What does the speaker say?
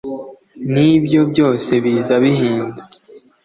n'ibyo byose biza bihinda